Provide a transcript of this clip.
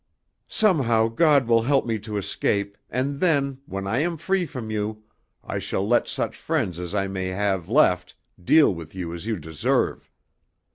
Somehow God will help me to escape, and then, when I am free from you, I shall let such friends as I may have left deal with you as you deserve."